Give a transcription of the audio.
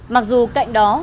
mặc dù cạnh đó